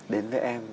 đến với em